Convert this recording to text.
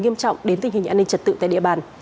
nghiêm trọng đến tình hình an ninh trật tự tại địa bàn